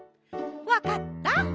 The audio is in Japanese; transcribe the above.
わかった？